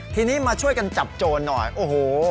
ทีนี้มาช่วยกันจับโจรหน่อยโอ้โห